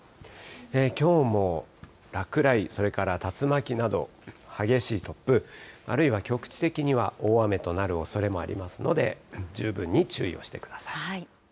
きょうも落雷、それから竜巻など激しい突風、あるいは局地的には大雨となるおそれもありますので、十分に注意をしてください。